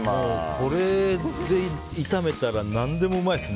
これで炒めたら何でもうまいですね。